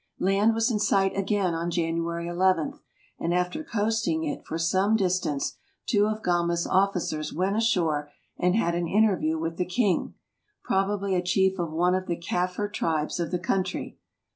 Land was in sight again on January 1 1 , and after coast ing it for some distance two of Gama's officers went ashore and had an interview with the king — probably a chief of one of the Kaffir tribes of the country.